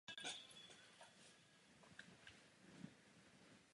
Dozrávají od července do října.